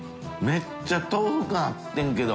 めっちゃ豆腐感あったんやけど。